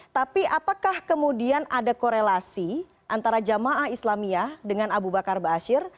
tapi apakah kemudian ada korelasi antara jamaah islamia dengan abu bakar ba'asyir